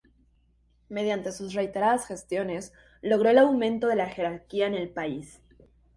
Mediante sus reiteradas gestiones logró el aumento de la jerarquía en el país.